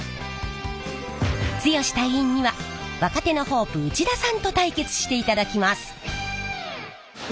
剛隊員には若手のホープ内田さんと対決していただきます。